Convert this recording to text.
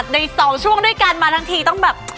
ใน๒ช่วงด้วยกันมาทั้งทีต้องแบบ